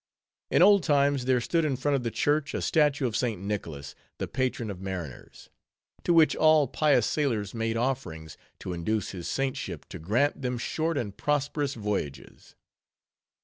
In old times, there stood in front of the church a statue of St. Nicholas, the patron of mariners; to which all pious sailors made offerings, to induce his saintship to grant them short and prosperous voyages.